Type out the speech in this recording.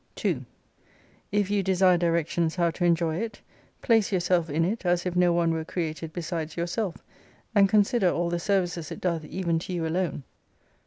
80 2 • If you desire directions how to enjoy it, place yourself in it as if no one were created besides yourself, and consider all the sei vices it doth even to you alone.